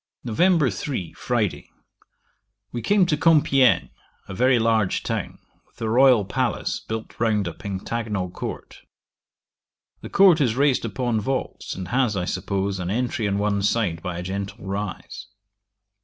'Nov. 3. Friday. We came to Compiegne, a very large town, with a royal palace built round a pentagonal court. The court is raised upon vaults, and has, I suppose, an entry on one side by a gentle rise.